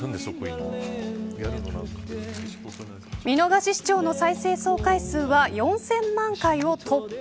見逃し視聴の再生総回数は４０００万回を突破。